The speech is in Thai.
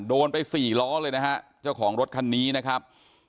โดนไปสี่ล้อเลยนะฮะเจ้าของรถคันนี้นะครับ